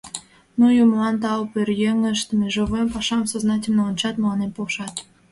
Ну, юмылан тау: пӧръеҥышт межовой пашам сознательно ончат, мыланем полшат.